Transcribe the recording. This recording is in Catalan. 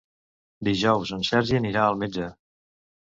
Dijous en Sergi anirà al metge.